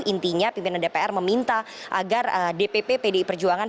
intinya pimpinan dpr meminta agar dpp pdi perjuangan